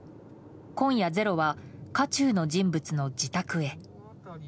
今夜「ｚｅｒｏ」は渦中の人物の自宅へ。